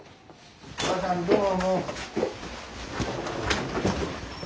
おかあさんどうも。